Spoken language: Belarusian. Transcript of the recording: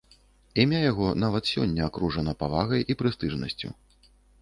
Імя яго нават сёння акружана павагай і прэстыжнасцю.